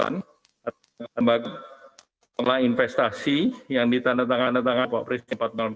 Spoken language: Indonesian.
anpan lembak lain prestasi yang ditandatangan apapris empat ratus empat smb dimana ini